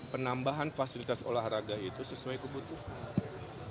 penambahan fasilitas olahraga itu sesuai kebutuhan